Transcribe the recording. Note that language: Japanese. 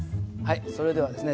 それではですね